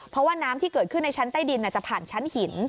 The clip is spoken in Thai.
เพราะว่าน้ำที่เกิดขึ้นในชั้นใต้ดินจะผ่านชั้นหิน